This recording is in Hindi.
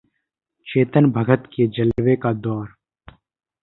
चेतन भगत के जलवे का दौर